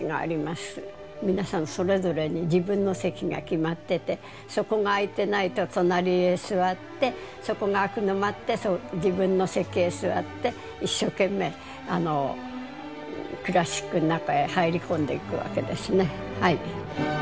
皆さんそれぞれに自分の席が決まっててそこが空いてないと隣へ座ってそこが空くの待って自分の席へ座って一生懸命クラシックの中へ入り込んでいくわけですね。